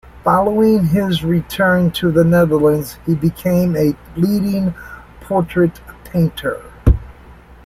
Following his return to the Netherlands he became a leading portrait painter.